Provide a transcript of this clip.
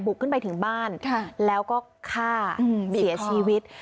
ขึ้นไปถึงบ้านแล้วก็ฆ่าเสียชีวิต